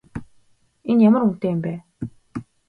Энэ ямар үнэтэй юм бэ?